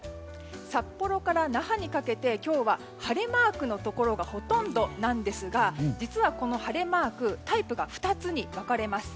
札幌から那覇にかけて今日は晴れマークのところがほとんどなんですが実は、この晴れマークタイプが２つに分かれます。